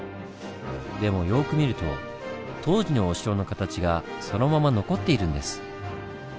でもよく見ると当時のお城の形がそのまま残っているんです。